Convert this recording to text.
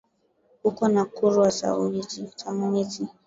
Uko na kurya sa mwizi